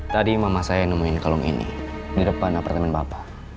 tadi mama saya nemuin kalung ini di depan apartemen bapak